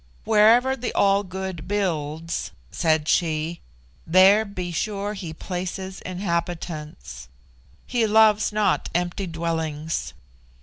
"Wherever the All Good builds," said she, "there, be sure, He places inhabitants. He loves not empty dwellings."